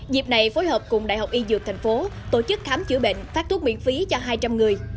dịp này phối hợp cùng đại học y dược tp hcm tổ chức khám chữa bệnh phát thuốc miễn phí cho hai trăm linh người